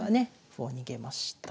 歩を逃げました。